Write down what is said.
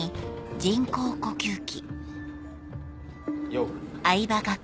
よう！